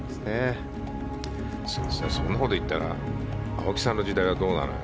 そんなこと言ったら青木さんの時代はどうなのよ。